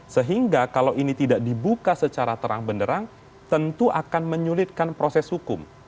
sehingga kalau ini tidak dibuka secara terang benderang tentu akan menyulitkan proses hukum